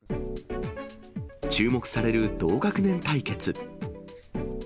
注目される同学年対決。